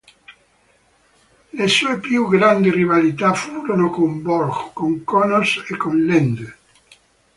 Le sue più grandi rivalità furono con Borg, con Connors e con Lendl.